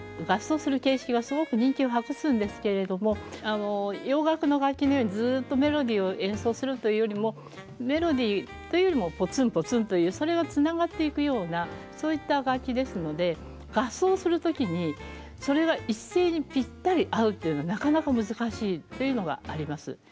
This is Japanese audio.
合奏する形式はすごく人気を博すんですけれども洋楽の楽器のようにずっとメロディーを演奏するというよりもメロディーというよりもポツンポツンというそれがつながっていくようなそういった楽器ですので合奏する時にそれが一斉にぴったり合うというのはなかなか難しいっていうのがあります。